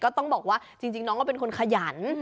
ต้องบอกว่าจริงน้องก็เป็นคนขยัน